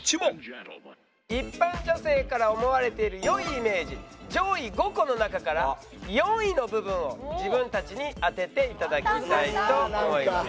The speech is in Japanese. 一般女性から思われている良いイメージ上位５個の中から４位の部分を自分たちに当てて頂きたいと思います。